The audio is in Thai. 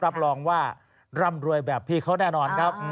รับรองว่าร่ำรวยแบบพี่เขาแน่นอนครับ